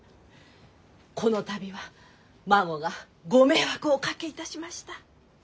この度は孫がご迷惑をおかけいたしました。